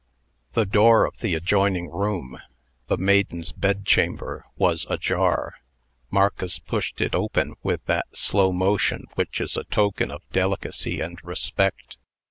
The door of the adjoining room the maiden's bedchamber was ajar. Marcus pushed it open with that slow motion which is a token of delicacy and respect.